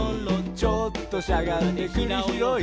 「ちょっとしゃがんでくりひろい」